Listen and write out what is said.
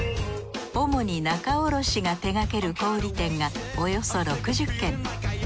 主に仲卸が手がける小売店がおよそ６０軒。